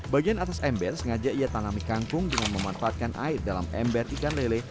bagian atas ember sengaja ia tanami kangkung dengan memanfaatkan air dalam ember ikan lele